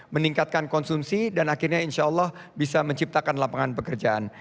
meningkatkan konsumsi dan akhirnya insya allah bisa menciptakan lapangan pekerjaan